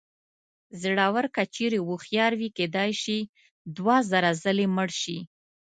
زړور که چېرې هوښیار وي کېدای شي دوه زره ځلې مړ شي.